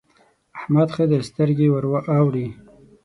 احمد ښه دی؛ سترګې ور اوړي.